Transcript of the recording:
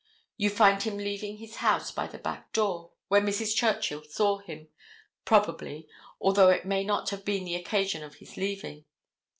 You find him leaving his house by the back door, where Mrs. Churchill saw him, probably, although it may not have been the occasion of his leaving.